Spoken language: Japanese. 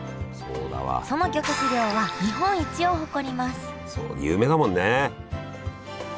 その漁獲量は日本一を誇ります有名だもんね。